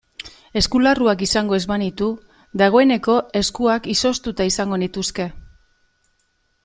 Eskularruak izango ez banitu dagoeneko eskuak izoztuta izango nituzke.